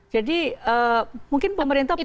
jadi mungkin pemerintah